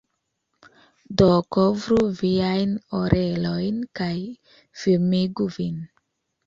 Do kovru viajn orelojn kaj ﬁrmigu vin.